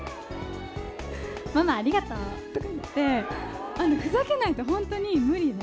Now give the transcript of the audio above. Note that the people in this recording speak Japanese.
ママありがとうとか言って、ふざけないと本当に無理で。